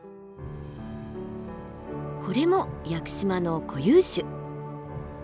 これも屋久島の固有種。